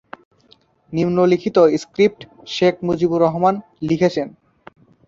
নিম্নলিখিত স্ক্রিপ্ট শেখ মুজিবুর রহমান লিখেছেন।